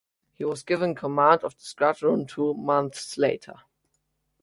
He was given command of the squadron two months later.